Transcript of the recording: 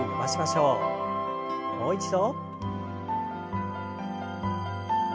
もう一度。